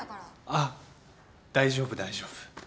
あっ大丈夫大丈夫。